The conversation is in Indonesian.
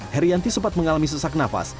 herianti sempat mengalami sesak nafas